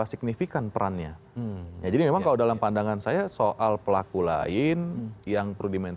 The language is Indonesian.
signifikan perannya jadi memang kalau dalam pandangan saya soal pelaku lain yang perlu dimain